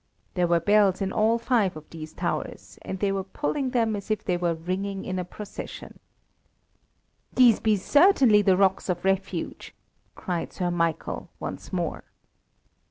There were bells in all five of these towers, and they were pulling them as if they were ringing in a procession. "These be certainly the Rocks of Refuge!" cried Sir Michael, once more.